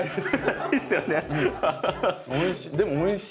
おいしい。